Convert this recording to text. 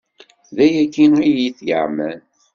D ayagi i t-yeɛman.